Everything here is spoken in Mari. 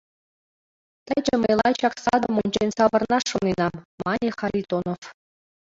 — Таче мый лачак садым ончен савырнаш шоненам, — мане Харитонов.